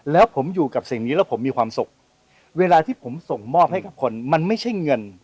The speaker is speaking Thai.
แล้วผมอยู่กับสิ่งนี้แล้วผมมีความสุขเวลาที่ผมส่งมอบให้กับคนมันไม่ใช่เงิน